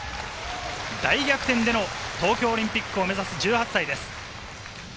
大逆転での東京オリンピックを目指す１８歳です。